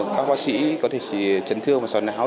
các bác sĩ có thể chỉ chấn thương và sỏ não